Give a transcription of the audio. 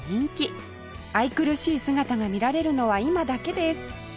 愛くるしい姿が見られるのは今だけです